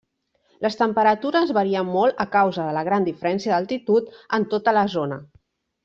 Les temperatures varien molt a causa de la gran diferència d'altitud en tota la zona.